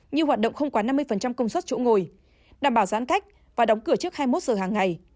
như hoạt động không quá năm mươi công suất chỗ ngồi đảm bảo giãn cách và đóng cửa trước hai mươi một giờ hàng ngày